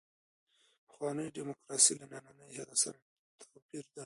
پخوانۍ دیموکراسي له نننۍ هغې سره توپیر درلود.